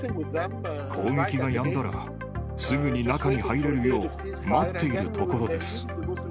攻撃がやんだらすぐに中に入れるよう、待っているところです。